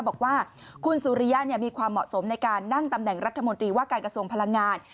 บอกว่าคุณสุริยะมีความเหมาะสมในการนั่งตำแหน่งรัฐมนตรีว่าการกระทรวงพลังงาน